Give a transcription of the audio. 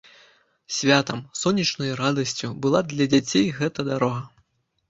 Святам, сонечнай радасцю была для дзяцей гэта дарога.